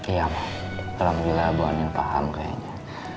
iya mak alhamdulillah bu anin paham kayaknya